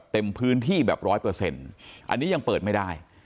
เต็มพื้นที่แบบ๑๐๐อันนี้ยังเปิดไม่ได้